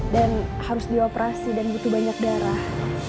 harus dioperasi dan butuh banyak darah